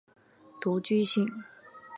独居性。